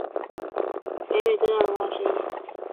是现存北美的最大的蛙之一。